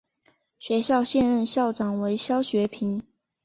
学校现任校长为肖学平。